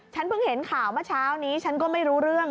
ฉันเพิ่งเห็นข่าวเมื่อเช้านี้ฉันก็ไม่รู้เรื่อง